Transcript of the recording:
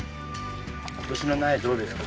今年の苗どうですか？